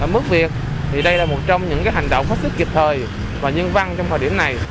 mức việc thì đây là một trong những hành động hết sức kịp thời và nhân văn trong thời điểm này